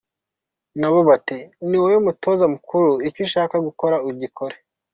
Na bo bati ni wowe mutoza mukuru icyo ushaka gukora ugikore.